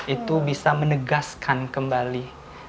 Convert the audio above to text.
itu bisa menegaskan kembali